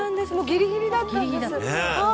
「ギリギリだったんです」